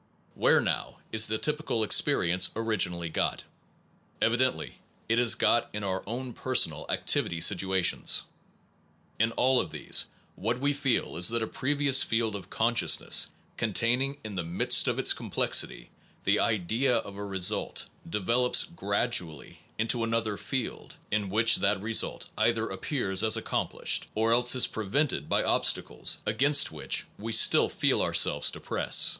Where now is the typical experience originally got? Evidently it is got in our own personal activ ity situations. In all of these what we feel is that a previous field of consciousness con taining (in the midst of its complexity) the . idea of a result, develops gradually jine per~ ceptual i n to another field in which that re experience of causa suit either appears as accomplished, or else is prevented by obstacles against which we still feel ourselves to press.